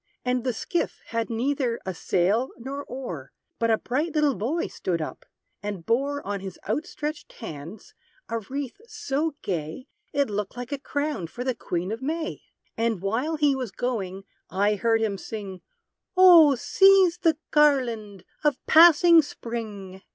And the skiff had neither a sail nor oar; But a bright little boy stood up, and bore, On his outstretched hands, a wreath so gay, It looked like a crown for the Queen of May. And while he was going, I heard him sing, "O seize the garland of passing _Spring!